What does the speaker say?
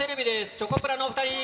チョコプラの２人。